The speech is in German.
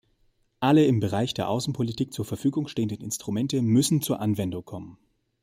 Alle im Bereich der Außenpolitik zur Verfügung stehenden Instrumente müssen zur Anwendung kommen.